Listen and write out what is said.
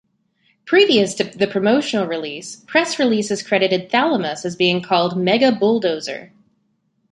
Previous to the promotional release, press releases credited "Thalamus" as being called "Mega Bulldozer".